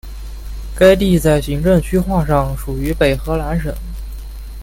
该地在行政区划上属于北荷兰省。